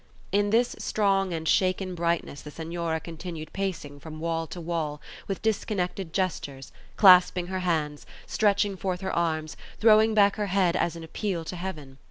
In this strong and shaken brightness the Senora continued pacing from wall to wall with disconnected gestures, clasping her hands, stretching forth her arms, throwing back her head as in appeal to heaven.